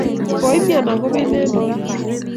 koimyan akobo inendet